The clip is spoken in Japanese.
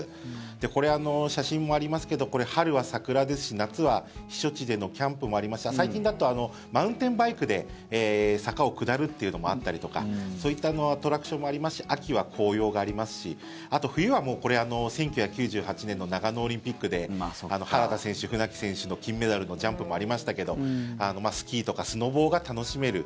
これ、写真もありますけど春は桜ですし夏は避暑地でのキャンプもありますし最近だとマウンテンバイクで坂を下るというのもあったりとかそういったアトラクションもありますし秋は紅葉がありますしあと、冬は１９９８年の長野オリンピックで原田選手、船木選手の金メダルのジャンプもありましたけどスキーとかスノボが楽しめる。